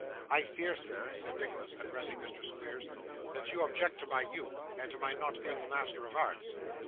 'I fear, sir,' said Nicholas, addressing Mr. Squeers, 'that you object to my youth, and to my not being a Master of Arts?